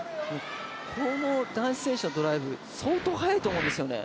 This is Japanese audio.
ここも男子選手のドライブ、相当速いと思うんですよね。